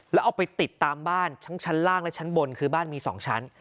แล้วเอาไปติดตามบ้านทั้งชั้นล่างและชั้นบนคือบ้านมี๒ชั้น